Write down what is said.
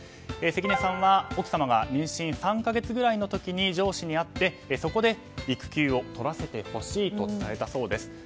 関根さんは奥様が妊娠３か月ぐらいの時に上司に会って育休を取らせてほしいと伝えたそうです。